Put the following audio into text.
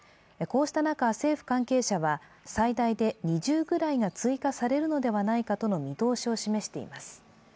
こうした中、政府関係者は最大で２０ぐらいが追加されるのではないかとの見通しを示しています。